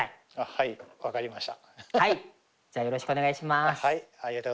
はい分かりました。